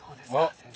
先生。